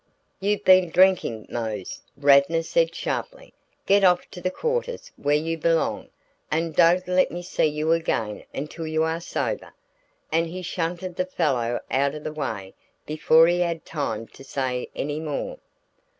"You've been drinking, Mose," Radnor said sharply. "Get off to the quarters where you belong, and don't let me see you again until you are sober," and he shunted the fellow out of the way before he had time to say any more.